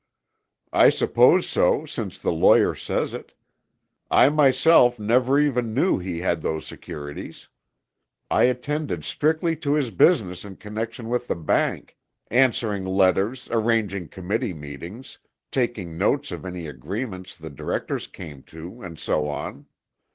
"I suppose so since the lawyer says it. I myself never even knew he had those securities. I attended strictly to his business in connection with the bank, answering letters, arranging committee meetings, taking notes of any agreements the directors came to, and so on.